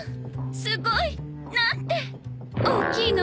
すごい！何て大きいの！